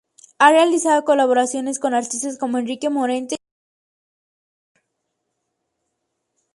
Ha realizado colaboraciones con artistas como Enrique Morente y Manolo Sanlúcar.